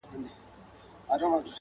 دوی داسې کلمات نه درلودل